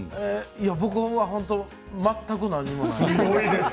僕は全く何もないです。